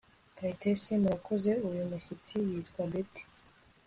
Kayitesi Murakoze Uyu mushyitsi yitwa Betty